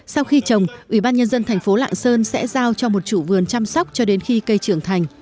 sau khi trồng ủy ban nhân dân thành phố lạng sơn sẽ giao cho một chủ vườn chăm sóc cho đến khi cây trưởng thành